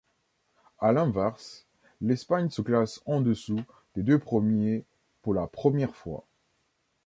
À l'inverse, l'Espagne se classe en dessous des deux premiers pour la première fois.